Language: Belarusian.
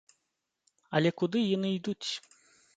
Але куды яны ідуць?